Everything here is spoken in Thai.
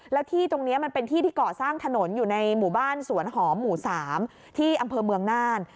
แล้วที่ตรงนี้มันเป็นที่ที่ก่อสร้างถนนอยู่ในหมู่บ้านสวนหอมหมู่๓ที่อำเภอเมืองน่าน